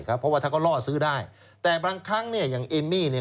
เพราะว่าถ้ากรณีล่อซื้อได้แต่บางครั้งอย่างเอมมี่